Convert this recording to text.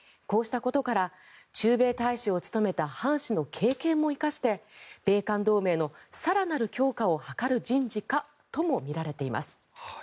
こうしたことから駐米大使を務めたハン氏の経験も生かして米韓同盟の更なる強化を図る人事かとも見られています。